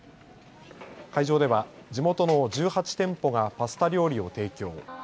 会場では地元の１８店舗がパスタ料理を提供。